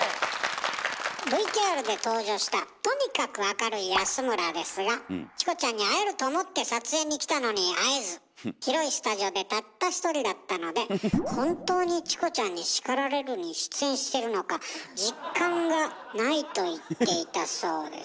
ＶＴＲで登場したとにかく明るい安村ですがチコちゃんに会えると思って撮影に来たのに会えず広いスタジオでたった１人だったので本当に「チコちゃんに叱られる！」に出演してるのか実感がないと言っていたそうです。